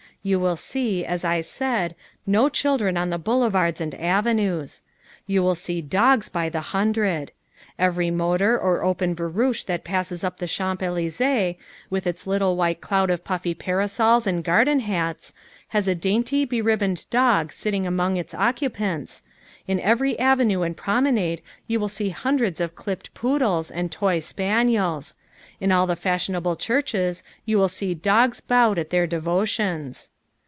You will see, as I said, no children on the boulevards and avenues. You will see dogs by the hundred. Every motor or open barouche that passes up the Champs Elysées, with its little white cloud of fluffy parasols and garden hats, has a dainty, beribboned dog sitting among its occupants: in every avenue and promenade you will see hundreds of clipped poodles and toy spaniels; in all the fashionable churches you will see dogs bowed at their devotions.